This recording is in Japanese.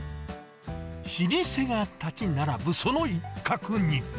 老舗が建ち並ぶその一角に。